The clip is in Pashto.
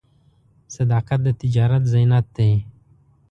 صداقت د تجارت زینت دی.